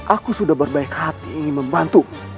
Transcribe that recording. aku sudah berbaik hati ingin membantu